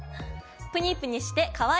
ぷにぷにしてかわいい！